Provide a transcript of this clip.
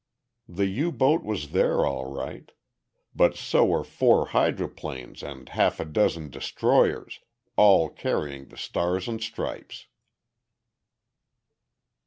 "The U boat was there, all right. But so were four hydroplanes and half a dozen destroyers, all carrying the Stars and Stripes!"